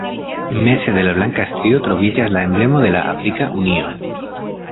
Meze de la blanka strio troviĝas la Emblemo de la Afrika Unio.